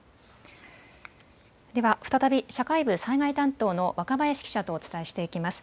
では再び社会部災害担当の若林記者とお伝えしていきます。